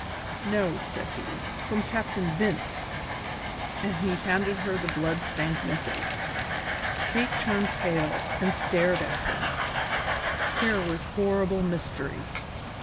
"No," said he, "from Captain Vince." And he handed her the blood stained missive. Kate turned pale and stared at him; here was horrible mystery.